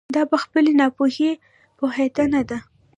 دا په خپلې ناپوهي پوهېدنه ده.